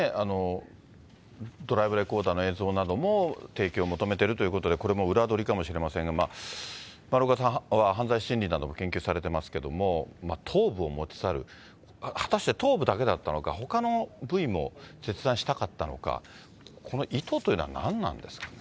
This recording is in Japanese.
ドライブレコーダーの映像なども提供を求めているということで、これも裏取りかもしれませんが、丸岡さん、犯罪心理なども研究されていますけれども、頭部を持ち去る、果たして、頭部だけだったのか、ほかの部位も切断したかったのか、この意図というのは何なんですかね。